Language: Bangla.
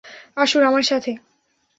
আসুন আমার সাথে!